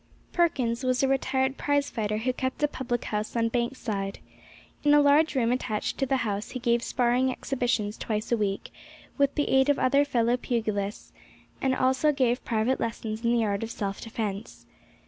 Perkins was a retired prize fighter who kept a public house on Bank Side. In a large room attached to the house he gave sparring exhibitions twice a week, with the aid of other fellow pugilists, and also gave private lessons in the art of self defence.